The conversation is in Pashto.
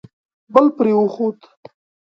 بل پرې وخوت.